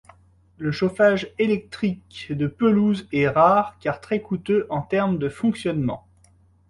Le chauffage électrique de pelouse est rare car très coûteux en termes de fonctionnement.